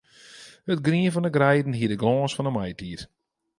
It grien fan 'e greiden hie de glâns fan 'e maitiid.